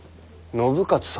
信雄様。